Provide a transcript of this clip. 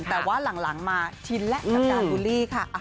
แต่ว่าหลังมาชินและกับกาล์ดอุ่ลี่ค่ะ